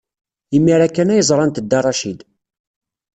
Imir-a kan ay ẓrant Dda Racid.